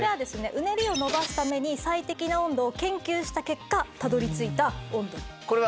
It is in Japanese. うねりを伸ばすために最適な温度を研究した結果たどり着いた温度。